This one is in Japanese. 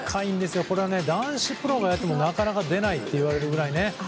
男子プロがやってもなかなか出ないといわれるぐらい。